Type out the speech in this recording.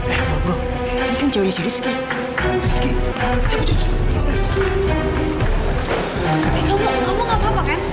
eh bro bro ini kan ceweknya shalysky shalysky cepet cepet